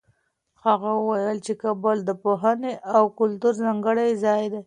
هغه وویل چي کابل د پوهنې او کلتور ځانګړی ځای دی.